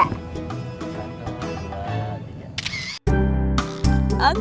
satu dua tiga